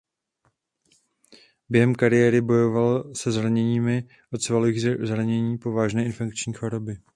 Během kariéry bojoval se zraněními od svalových zranění po vážné infekční choroby.